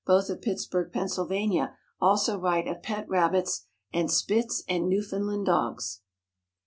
both of Pittsburgh, Pennsylvania, also write of pet rabbits, and Spitz and Newfoundland dogs.